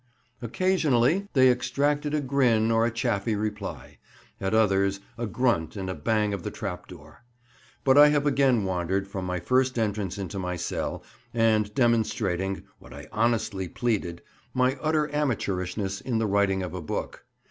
Occasionally they extracted a grin or a chaffy reply; at others a grunt and a bang of the trap door. But I have again wandered from my first entrance into my cell, and demonstrating (what I honestly pleaded) my utter amateurishness in the writing of a book.